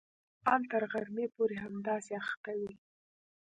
ان تر غرمې پورې همداسې اخته وي.